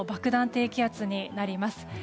低気圧になります。